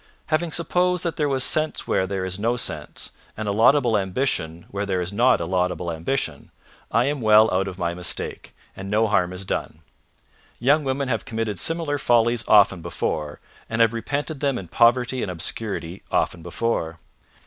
Having supposed that there was sense where there is no sense, and a laudable ambition where there is not a laudable ambition, I am well out of my mistake, and no harm is done. Young women have committed similar follies often before, and have repented them in poverty and obscurity often before.